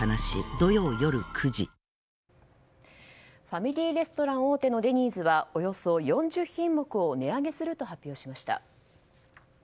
ファミリーレストラン大手のデニーズはおよそ４０品目を値上げすると発表しました。